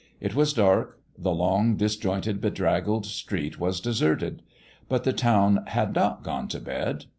It was dark : the long, disjointed, bedraggled street was deserted. But the town had not gone to bed.